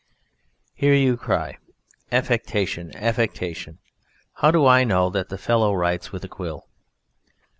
Here you cry "Affectation! Affectation! How do I know that the fellow writes with a quill?